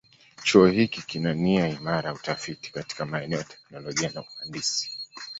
Chuo hiki kina nia imara ya utafiti katika maeneo ya teknolojia na uhandisi.